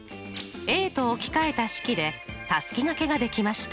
Ａと置き換えた式でたすきがけができました。